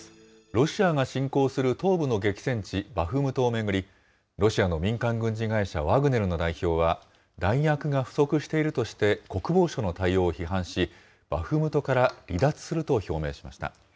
ロシアが侵攻する東部の激戦地バフムトを巡り、ロシアの民間軍事会社ワグネルの代表は、弾薬が不足しているとして、国防省の対応を批判し、バフムトから離脱すると表明しました。